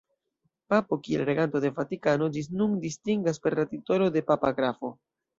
Papo, kiel reganto de Vatikano, ĝis nun distingas per la titolo de papa grafo.